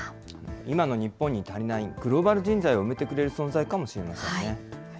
今の日本に足りないグローバル人材を埋めてくれる存在かもしれませんね。